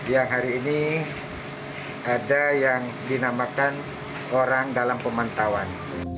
yang hari ini ada yang dinamakan orang dalam pemantauan